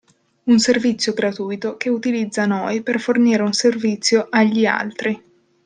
Un servizio gratuito che utilizza noi per fornire un servizio agli altri.